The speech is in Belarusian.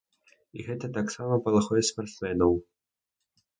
І гэта таксама палохае спартсменаў.